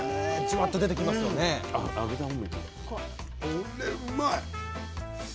これうまい！